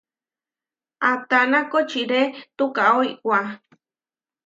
Ataná kočiré tukaó iwá.